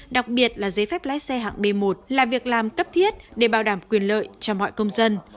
đặc biệt là giấy phép lái xe hạng b một là việc làm cấp thiết để bảo đảm quyền lợi cho mọi công dân